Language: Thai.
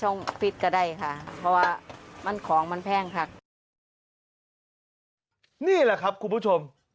นี่แหละครับคุณผู้ชม